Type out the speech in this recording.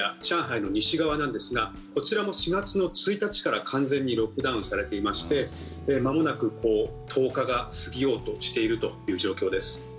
上海の西側なんですがこちらも４月の１日から、完全にロックダウンされていましてまもなく１０日が過ぎようとしている状況です。